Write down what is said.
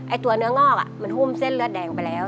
ตัวเนื้องอกมันหุ้มเส้นเลือดแดงไปแล้ว